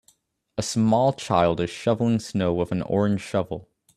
A small child is shoveling snow with an orange shovel